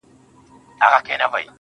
خو ستا به زه اوس هيڅ په ياد كي نه يم.